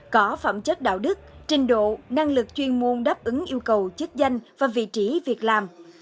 có phẩm chất đạo đức trình độ năng lực chuyên môn đáp ứng yêu cầu chức danh và vị trí việc làm